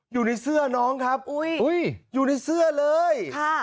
อยู่ในเสื้อน้องครับอยู่ในเสื้อเลยค่ะ